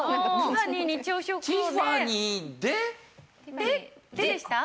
「で」でした？